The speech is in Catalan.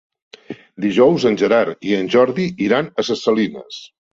Dijous en Gerard i en Jordi iran a Ses Salines.